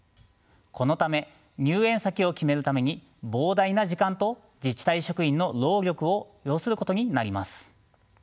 このため入園先を決めるために膨大な時間と自治体職員の労力を要することになります。